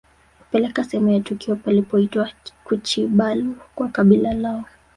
Kupeleka sehemu ya tukio palipoitwa kuchibalu kwa kabila lao